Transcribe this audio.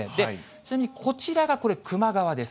ちなみにこちらがこれ、球磨川です。